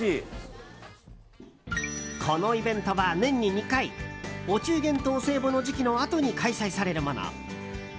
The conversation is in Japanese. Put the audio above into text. このイベントは年に２回お中元とお歳暮の時期のあとに開催されるもの。